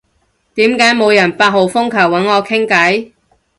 點解冇人八號風球搵我傾偈？